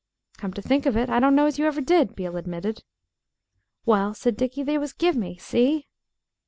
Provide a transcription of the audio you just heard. "Come to think of it, I don't know as you ever did," Beale admitted. "Well," said Dickie, "they was give me see?"